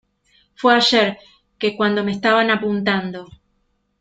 fue ayer, que cuando me estaban apuntando